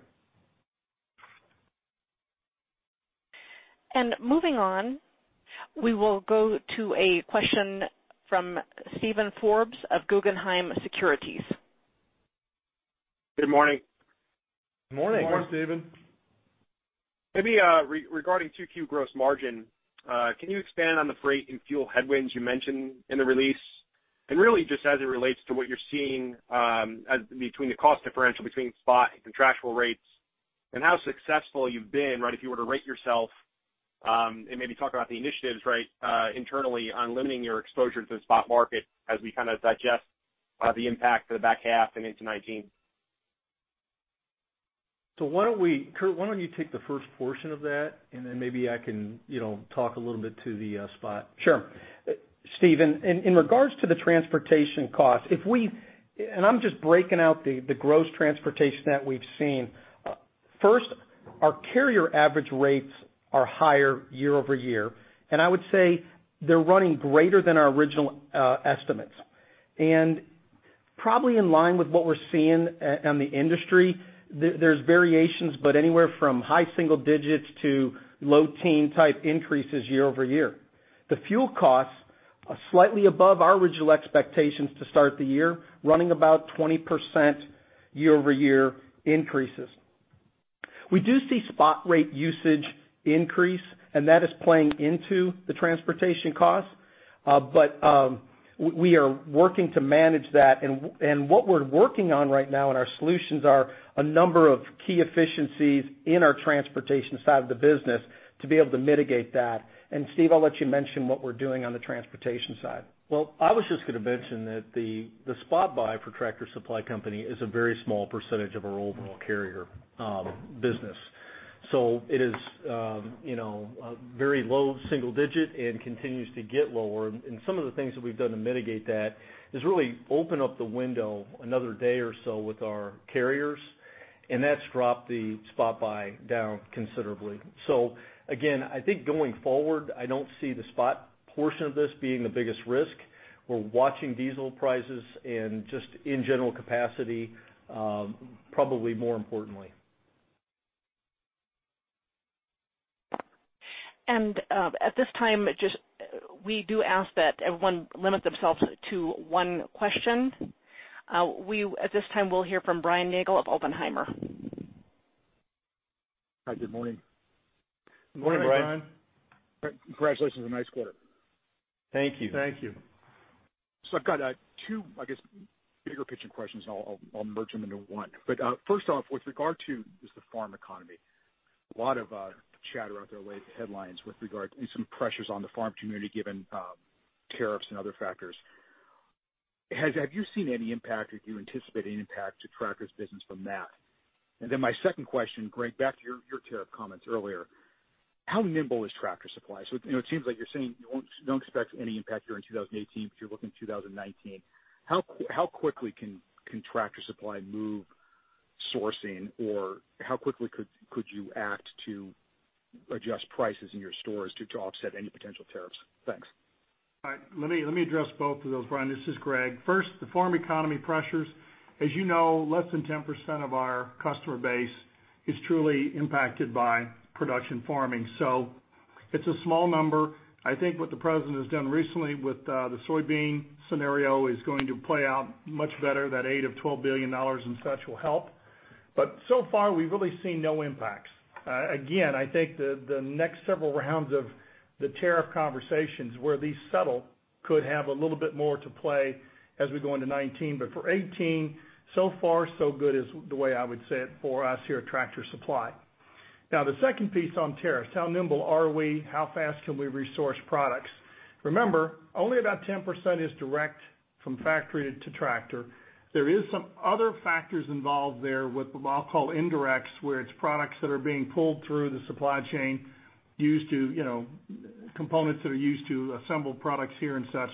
Moving on, we will go to a question from Steven Forbes of Guggenheim Securities. Good morning. Morning. Morning, Steven. Maybe regarding 2Q gross margin, can you expand on the freight and fuel headwinds you mentioned in the release? Really just as it relates to what you're seeing between the cost differential between spot and contractual rates, and how successful you've been, if you were to rate yourself, and maybe talk about the initiatives internally on limiting your exposure to the spot market as we kind of digest the impact for the back half and into 2019. Kurt, why don't you take the first portion of that and then maybe I can talk a little bit to the spot. Sure. Steven, in regards to the transportation cost, I'm just breaking out the gross transportation that we've seen. First, our carrier average rates are higher year-over-year, I would say they're running greater than our original estimates. Probably in line with what we're seeing on the industry, there's variations, but anywhere from high single digits to low teen type increases year-over-year. The fuel costs are slightly above our original expectations to start the year, running about 20% year-over-year increases. We do see spot rate usage increase, that is playing into the transportation cost. We are working to manage that, what we're working on right now in our solutions are a number of key efficiencies in our transportation side of the business to be able to mitigate that. Steve, I'll let you mention what we're doing on the transportation side. Well, I was just going to mention that the spot buy for Tractor Supply Company is a very small percentage of our overall carrier business. It is very low single digit and continues to get lower. Some of the things that we've done to mitigate that is really open up the window another day or so with our carriers, that's dropped the spot buy down considerably. Again, I think going forward, I don't see the spot portion of this being the biggest risk. We're watching diesel prices and just in general capacity, probably more importantly. At this time, we do ask that everyone limit themselves to one question. At this time, we'll hear from Brian Nagel of Oppenheimer. Hi, good morning. Good morning, Brian. Congratulations on a nice quarter. Thank you. Thank you. I've got two, I guess, bigger-picture questions. I'll merge them into one. First off, with regard to is the farm economy, a lot of chatter out there, late headlines with regard and some pressures on the farm community given tariffs and other factors. Have you seen any impact or do you anticipate any impact to Tractor's business from that? My second question, Greg, back to your tariff comments earlier, how nimble is Tractor Supply? It seems like you're saying you don't expect any impact here in 2018, but you're looking 2019. How quickly can Tractor Supply move sourcing or how quickly could you act to adjust prices in your stores to offset any potential tariffs? Thanks. All right. Let me address both of those, Brian. This is Greg. First, the farm economy pressures. As you know, less than 10% of our customer base is truly impacted by production farming. It's a small number. I think what the president has done recently with the soybean scenario is going to play out much better. That $8 of $12 billion and such will help. So far, we've really seen no impacts. Again, I think the next several rounds of the tariff conversations, where these settle, could have a little bit more to play as we go into 2019. For 2018, so far so good, is the way I would say it for us here at Tractor Supply. Now, the second piece on tariffs, how nimble are we? How fast can we resource products? Remember, only about 10% is direct from factory to Tractor. There is some other factors involved there with what I'll call indirects, where it's products that are being pulled through the supply chain, components that are used to assemble products here and such.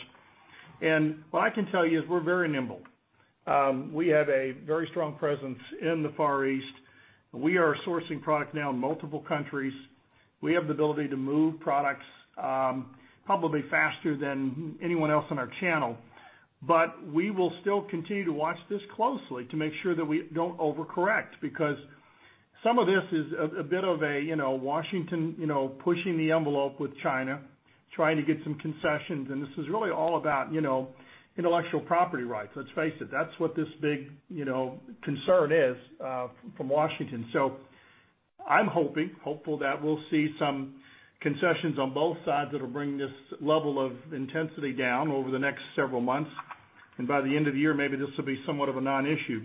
What I can tell you is we're very nimble. We have a very strong presence in the Far East. We are sourcing product now in multiple countries. We have the ability to move products probably faster than anyone else in our channel. We will still continue to watch this closely to make sure that we don't overcorrect, because some of this is a bit of a Washington pushing the envelope with China, trying to get some concessions, and this is really all about intellectual property rights. Let's face it. That's what this big concern is from Washington. I'm hopeful that we'll see some concessions on both sides that'll bring this level of intensity down over the next several months. By the end of the year, maybe this will be somewhat of a non-issue.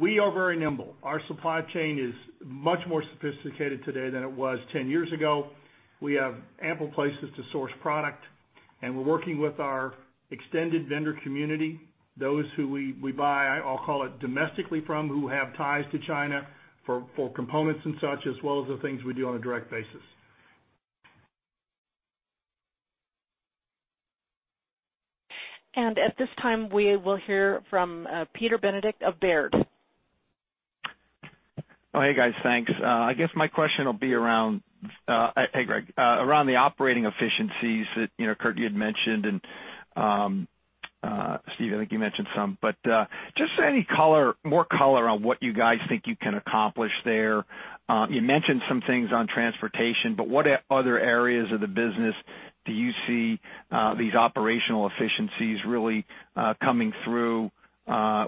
We are very nimble. Our supply chain is much more sophisticated today than it was 10 years ago. We have ample places to source product, and we're working with our extended vendor community, those who we buy, I'll call it, domestically from, who have ties to China for components and such, as well as the things we do on a direct basis. At this time, we will hear from Peter Benedict of Baird. Oh, hey, guys, thanks. I guess my question will be around, hey, Greg, around the operating efficiencies that, Kurt, you had mentioned and, Steve, I think you mentioned some. Just any more color on what you guys think you can accomplish there. You mentioned some things on transportation, but what other areas of the business do you see these operational efficiencies really coming through,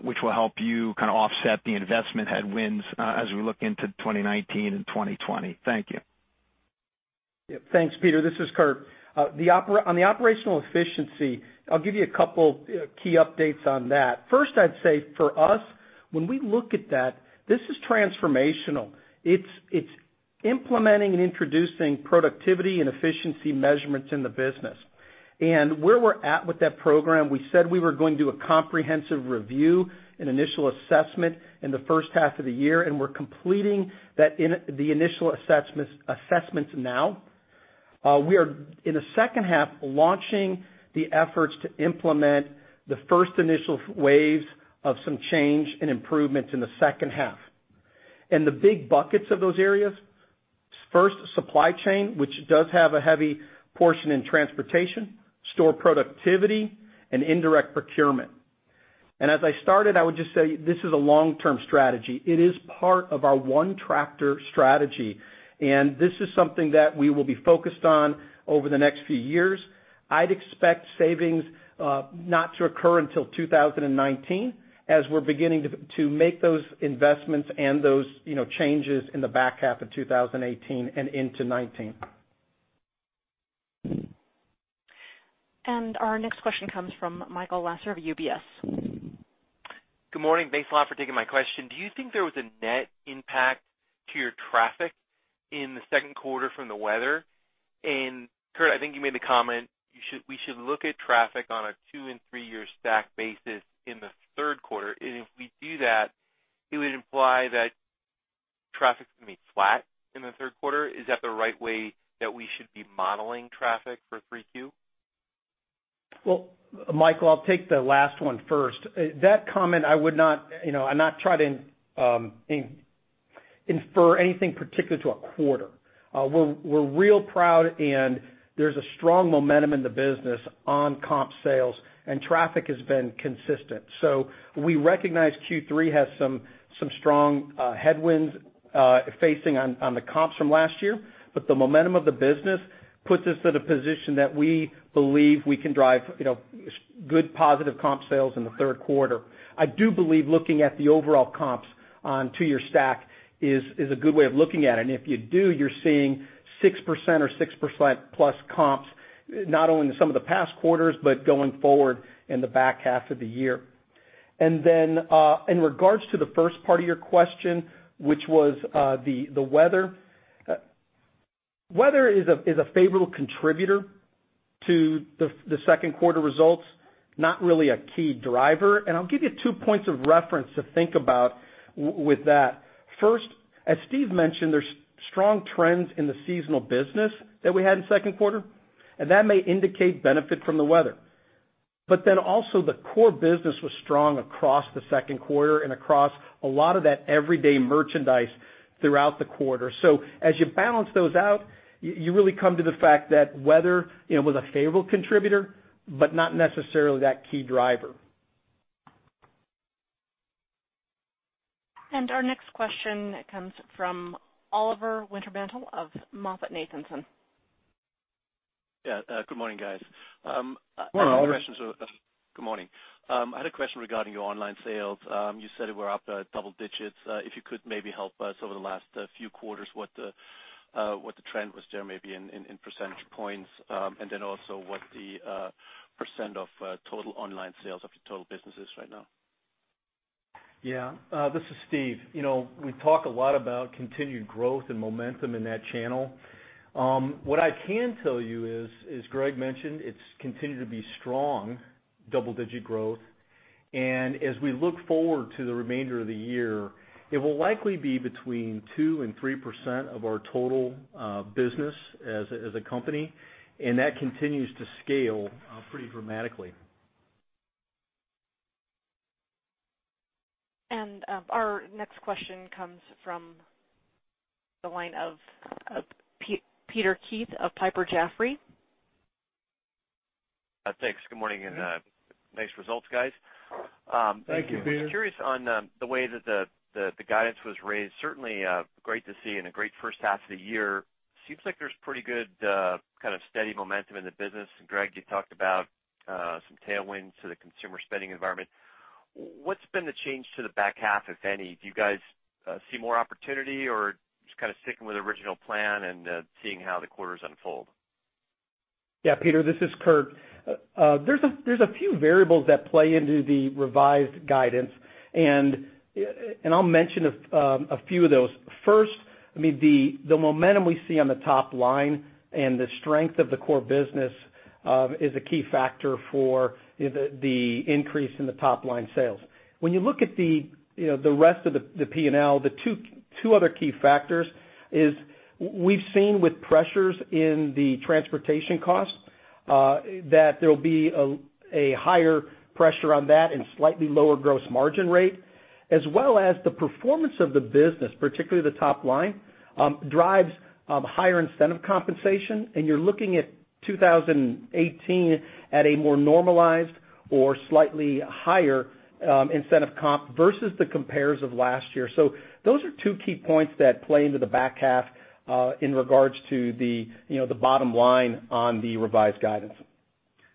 which will help you kinda offset the investment headwinds as we look into 2019 and 2020? Thank you. Yeah. Thanks, Peter. This is Kurt. On the operational efficiency, I'll give you a couple key updates on that. First, I'd say for us, when we look at that, this is transformational. It's implementing and introducing productivity and efficiency measurements in the business. Where we're at with that program, we said we were going to do a comprehensive review and initial assessment in the first half of the year, and we're completing the initial assessments now. We are, in the second half, launching the efforts to implement the first initial waves of some change and improvements in the second half. The big buckets of those areas, first, supply chain, which does have a heavy portion in transportation, store productivity, and indirect procurement. As I started, I would just say this is a long-term strategy. It is part of our One Tractor strategy, this is something that we will be focused on over the next few years. I'd expect savings not to occur until 2019, as we're beginning to make those investments and those changes in the back half of 2018 and into 2019. Our next question comes from Michael Lasser of UBS. Good morning. Thanks a lot for taking my question. Do you think there was a net impact to your traffic in the second quarter from the weather? Kurt, I think you made the comment, we should look at traffic on a two and three-year stack basis in the third quarter. If we do that, it would imply that traffic's gonna be flat in the third quarter. Is that the right way that we should be modeling traffic for 3Q? Well, Michael, I'll take the last one first. That comment, I'm not trying to infer anything particular to a quarter. We're real proud there's a strong momentum in the business on comp sales and traffic has been consistent. We recognize Q3 has some strong headwinds facing on the comps from last year. The momentum of the business puts us in a position that we believe we can drive Good positive comp sales in the third quarter. I do believe looking at the overall comps on two-year stack is a good way of looking at it. If you do, you're seeing 6% or 6%-plus comps, not only in some of the past quarters, but going forward in the back half of the year. In regards to the first part of your question, which was the weather. Weather is a favorable contributor to the second quarter results, not really a key driver. I'll give you two points of reference to think about with that. First, as Steve mentioned, there's strong trends in the seasonal business that we had in second quarter, and that may indicate benefit from the weather. Also the core business was strong across the second quarter and across a lot of that everyday merchandise throughout the quarter. As you balance those out, you really come to the fact that weather was a favorable contributor, but not necessarily that key driver. Our next question comes from Oliver Wintermantel of MoffettNathanson. Yeah. Good morning, guys. Good morning, Oliver. Good morning. I had a question regarding your online sales. You said it were up at double digits. If you could maybe help us over the last few quarters, what the trend was there, maybe in percentage points. Also what the % of total online sales of your total business is right now. This is Steve. We talk a lot about continued growth and momentum in that channel. What I can tell you is, as Greg mentioned, it's continued to be strong double-digit growth. As we look forward to the remainder of the year, it will likely be between 2% and 3% of our total business as a company, and that continues to scale pretty dramatically. Our next question comes from the line of Peter Keith of Piper Jaffray. Thanks. Good morning, nice results, guys. Thank you, Peter. I'm curious on the way that the guidance was raised. Certainly, great to see and a great first half of the year. Seems like there's pretty good steady momentum in the business. Greg, you talked about some tailwinds to the consumer spending environment. What's been the change to the back half, if any? Do you guys see more opportunity or just kind of sticking with the original plan and seeing how the quarters unfold? Yeah, Peter, this is Kurt. There's a few variables that play into the revised guidance, I'll mention a few of those. First, the momentum we see on the top line and the strength of the core business is a key factor for the increase in the top-line sales. When you look at the rest of the P&L, the two other key factors is we've seen with pressures in the transportation costs, that there will be a higher pressure on that and slightly lower gross margin rate, as well as the performance of the business, particularly the top line, drives higher incentive compensation. You're looking at 2018 at a more normalized or slightly higher incentive comp versus the compares of last year. Those are two key points that play into the back half, in regards to the bottom line on the revised guidance.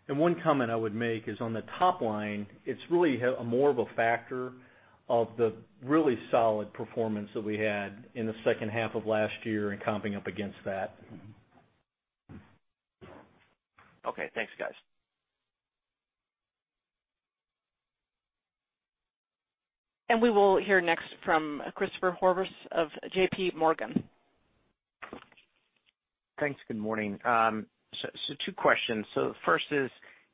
One comment I would make is on the top line, it's really more of a factor of the really solid performance that we had in the second half of last year and comping up against that. Okay, thanks guys. We will hear next from Christopher Horvers of JPMorgan. Thanks. Good morning. Two questions. The first is,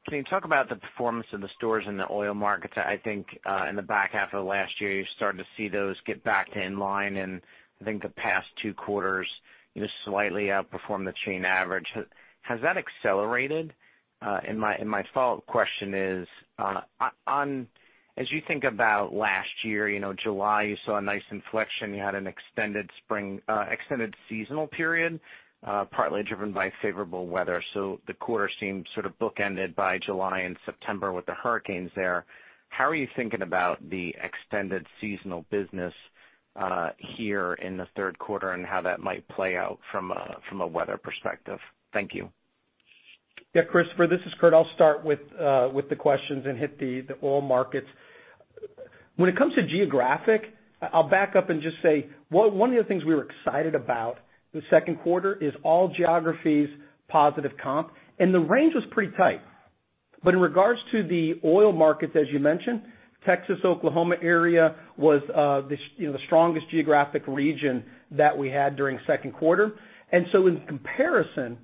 can you talk about the performance of the stores in the oil markets? I think, in the back half of last year, you started to see those get back to in line and I think the past two quarters, just slightly outperform the chain average. Has that accelerated? My follow-up question is, as you think about last year, July, you saw a nice inflection. You had an extended seasonal period, partly driven by favorable weather. The quarter seemed sort of bookended by July and September with the hurricanes there. How are you thinking about the extended seasonal business here in the third quarter and how that might play out from a weather perspective? Thank you. Christopher, this is Kurt. I'll start with the questions and hit the oil markets. When it comes to geographic, I'll back up and just say, one of the things we were excited about this second quarter is all geographies positive comp, and the range was pretty tight. In regards to the oil markets, as you mentioned, Texas, Oklahoma area was the strongest geographic region that we had during second quarter. In comparison,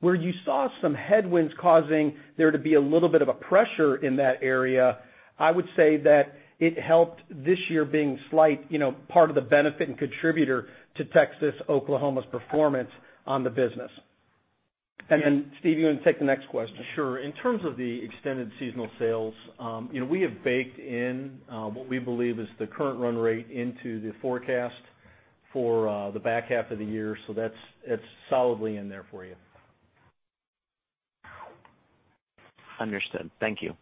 where you saw some headwinds causing there to be a little bit of a pressure in that area, I would say that it helped this year being slight, part of the benefit and contributor to Texas, Oklahoma's performance on the business. Steve, you want to take the next question? Sure. In terms of the extended seasonal sales, we have baked in what we believe is the current run rate into the forecast for the back half of the year. That's solidly in there for you. Understood. Thank you.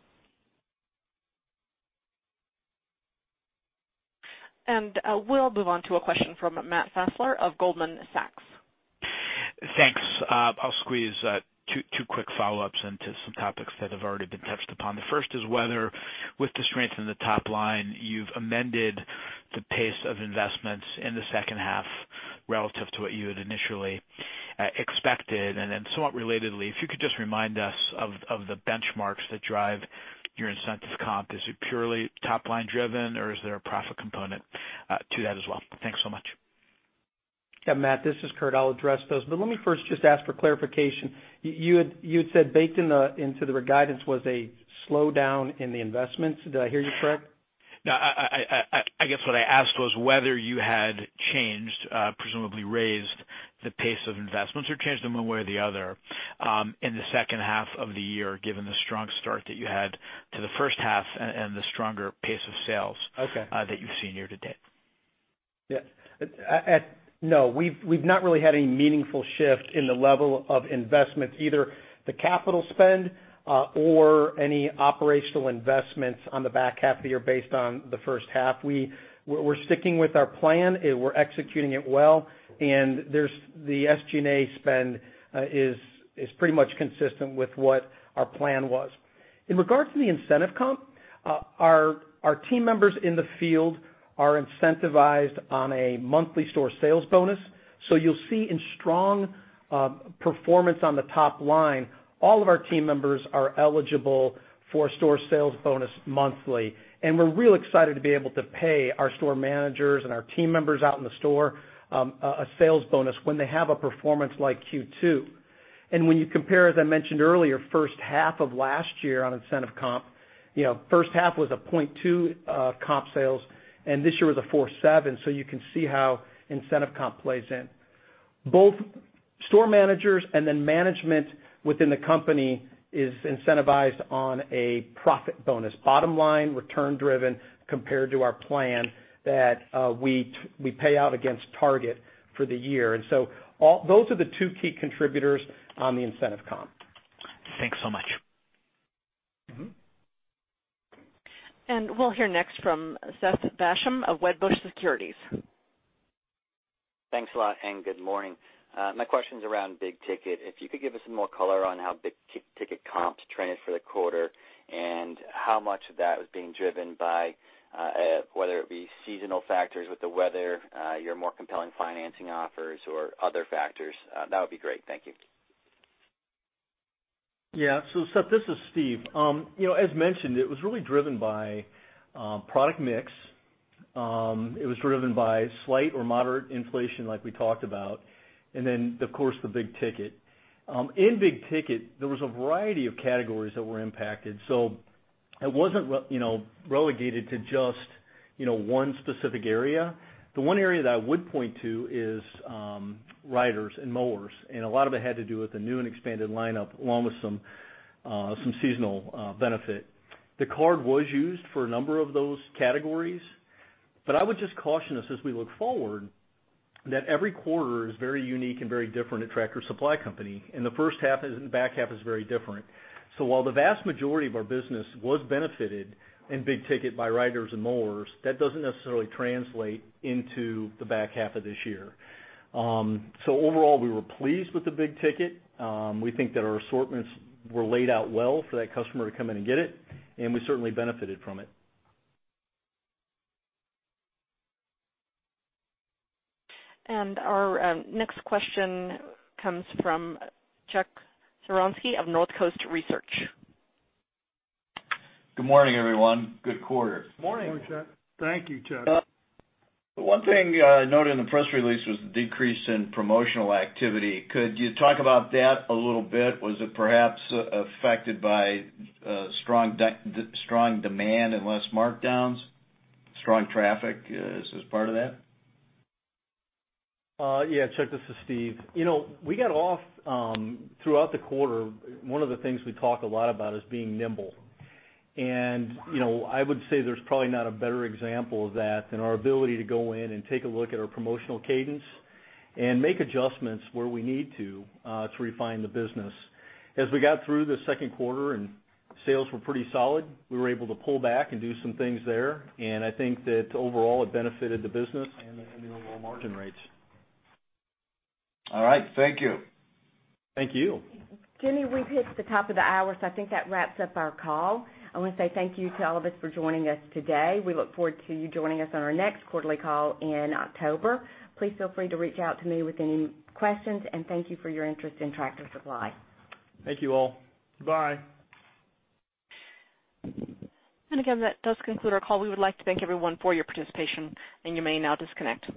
We'll move on to a question from Matt Fassler of Goldman Sachs. Thanks. I'll squeeze two quick follow-ups into some topics that have already been touched upon. The first is whether, with the strength in the top line, you've amended the pace of investments in the second half relative to what you had initially expected. Somewhat relatedly, if you could just remind us of the benchmarks that drive your incentive comp. Is it purely top-line driven, or is there a profit component to that as well? Thanks so much. Yeah, Matt, this is Kurt. I'll address those. Let me first just ask for clarification. You had said baked into the guidance was a slowdown in the investments. Did I hear you correct? No, I guess what I asked was whether you had changed, presumably raised, the pace of investments or changed them one way or the other in the second half of the year, given the strong start that you had to the first half and the stronger pace of sales- Okay that you've seen year-to-date. Yeah. No, we've not really had any meaningful shift in the level of investments, either the capital spend or any operational investments on the back half of the year based on the first half. We're sticking with our plan. We're executing it well. The SG&A spend is pretty much consistent with what our plan was. In regards to the incentive comp, our team members in the field are incentivized on a monthly store sales bonus. You'll see in strong performance on the top line, all of our team members are eligible for a store sales bonus monthly. We're real excited to be able to pay our store managers and our team members out in the store a sales bonus when they have a performance like Q2. When you compare, as I mentioned earlier, first half of last year on incentive comp, first half was a 0.2 comp sales, and this year was a 4.7, so you can see how incentive comp plays in. Both store managers and then management within the company is incentivized on a profit bonus. Bottom line, return-driven compared to our plan that we pay out against target for the year. Those are the two key contributors on the incentive comp. Thanks so much. We'll hear next from Seth Basham of Wedbush Securities. Thanks a lot. Good morning. My question's around big ticket. If you could give us some more color on how big ticket comps trended for the quarter and how much of that was being driven by whether it be seasonal factors with the weather, your more compelling financing offers, or other factors, that would be great. Thank you. Yeah. Seth, this is Steve. As mentioned, it was really driven by product mix. It was driven by slight or moderate inflation, like we talked about, and then, of course, the big ticket. In big ticket, there was a variety of categories that were impacted, so it wasn't relegated to just one specific area. The one area that I would point to is riders and mowers. A lot of it had to do with the new and expanded lineup, along with some seasonal benefit. The card was used for a number of those categories, but I would just caution us as we look forward that every quarter is very unique and very different at Tractor Supply Company. The first half and the back half is very different. While the vast majority of our business was benefited in big ticket by riders and mowers, that doesn't necessarily translate into the back half of this year. Overall, we were pleased with the big ticket. We think that our assortments were laid out well for that customer to come in and get it. We certainly benefited from it. Our next question comes from Chuck Cerankosky of Northcoast Research. Good morning, everyone. Good quarter. Morning. Morning, Chuck. Thank you, Chuck. One thing I noted in the press release was the decrease in promotional activity. Could you talk about that a little bit? Was it perhaps affected by strong demand and less markdowns? Strong traffic, is this part of that? Yeah, Chuck, this is Steve. Throughout the quarter, one of the things we talk a lot about is being nimble. I would say there's probably not a better example of that than our ability to go in and take a look at our promotional cadence and make adjustments where we need to to refine the business. As we got through the second quarter and sales were pretty solid, we were able to pull back and do some things there. I think that overall it benefited the business and the overall margin rates. All right. Thank you. Thank you. Jenny, we've hit the top of the hour, so I think that wraps up our call. I want to say thank you to all of us for joining us today. We look forward to you joining us on our next quarterly call in October. Please feel free to reach out to me with any questions, and thank you for your interest in Tractor Supply. Thank you all. Goodbye. Again, that does conclude our call. We would like to thank everyone for your participation, and you may now disconnect.